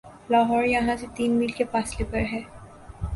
لاہور یہاں سے تین میل کے فاصلے پر ہے